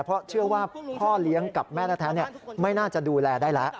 เพราะเชื่อว่าพ่อเลี้ยงกับแม่แท้ไม่น่าจะดูแลได้แล้ว